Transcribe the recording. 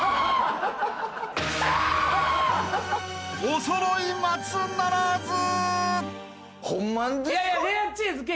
［おそろい松ならず］